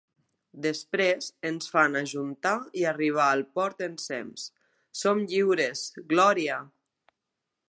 Després ens fan ajuntar i arribar al port ensems: som lliures, glòria!